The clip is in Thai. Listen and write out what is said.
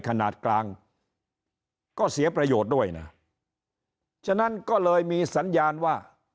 ขนาดกลางก็เสียประโยชน์ด้วยนะฉะนั้นก็เลยมีสัญญาณว่า